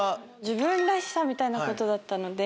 自分らしさみたいなことだった。